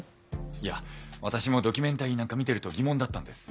いや私もドキュメンタリーなんか見てると疑問だったんです。